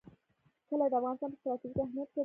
کلي د افغانستان په ستراتیژیک اهمیت کې دي.